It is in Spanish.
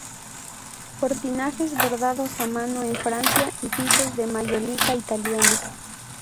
Cortinajes bordados a mano en Francia y pisos de mayólica italiana.